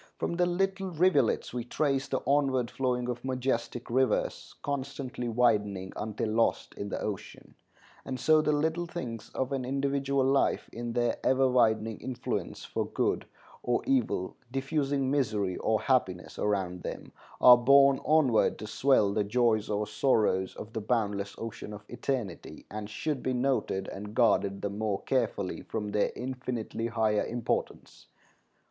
From the little rivulets we trace the onward flowing of majestic rivers, constantly widening until lost in the ocean; and so the little things of an individual life, in their ever widening influence for good or evil, diffusing misery or happiness around them, are borne onward to swell the joys or sorrows of the boundless ocean of eternity, and should be noted and guarded the more carefully from their infinitely higher importance.